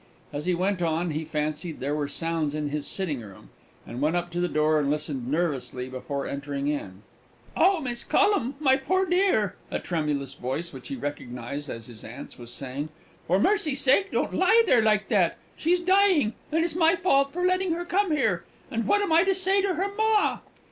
As he went on, he fancied there were sounds in his sitting room, and went up to the door and listened nervously before entering in. "Oh, Miss Collum, my poor dear!" a tremulous voice, which he recognised as his aunt's, was saying, "for Mercy's sake, don't lie there like that! She's dying! and it's my fault for letting her come here! and what am I to say to her ma?"